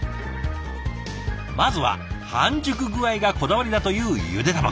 まずは半熟具合がこだわりだというゆで卵。